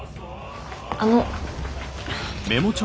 あの。